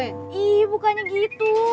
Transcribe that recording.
ih bukannya gitu